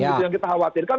yang kita khawatirkan